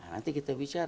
nanti kita bicara